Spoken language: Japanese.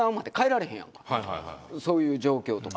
そういう状況とか。